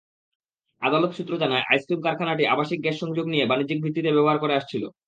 আদালত সূত্র জানায়, আইসক্রিম কারখানাটি আবাসিক গ্যাস-সংযোগ নিয়ে বাণিজ্যিক ভিত্তিতে ব্যবহার করে আসছিল।